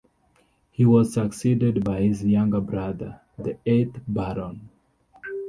He was succeeded by his younger brother, the eighth Baron.